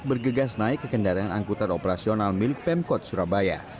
bergegas naik ke kendaraan angkutan operasional milik pemkot surabaya